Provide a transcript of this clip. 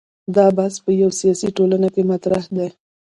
دا بحث په یوه سیاسي ټولنه کې مطرح دی.